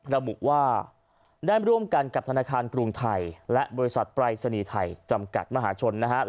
ระบุว่าได้ร่วมกันกับธนาคารกรุงไทยและบริษัทปรายศนีย์ไทยจำกัดมหาชนนะครับ